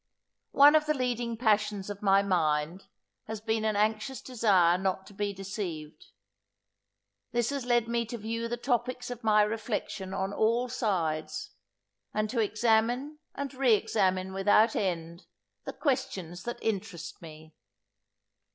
One of the leading passions of my mind has been an anxious desire not to be deceived. This has led me to view the topics of my reflection on all sides; and to examine and re examine without end, the questions that interest me.